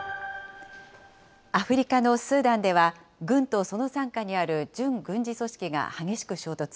アフリカのスーダンでは、軍とその傘下にある準軍事組織が激しく衝突。